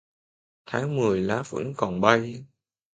Tháng Mười lá vẫn còn bay